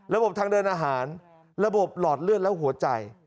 ทางเดินอาหารระบบหลอดเลือดและหัวใจ